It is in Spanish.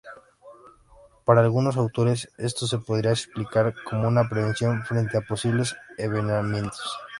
Para algunos autores esto se podría explicar como una prevención frente a posibles envenenamientos.